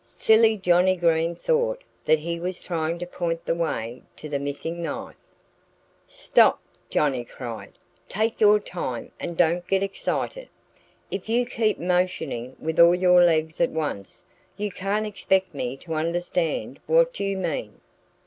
Silly Johnnie Green thought that he was trying to point the way to the missing knife! "Stop!" Johnnie cried. "Take your time and don't get excited! If you keep motioning with all your legs at once you can't expect me to understand what you mean."